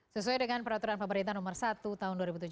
sesuai dengan peraturan pemerintah nomor satu tahun dua ribu tujuh belas